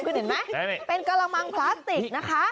คุณเห็นไหมเป็นกระมังพลาสติกนะคะ